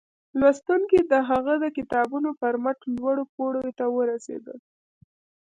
لوستونکي د هغه د کتابونو پر مټ لوړو پوړيو ته ورسېدل